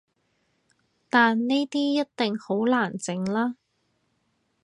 但呢啲一定好難整喇